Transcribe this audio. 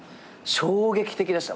衝撃的でした。